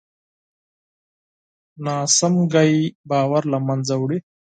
ناسمه خبره باور له منځه وړي